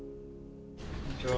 こんにちは。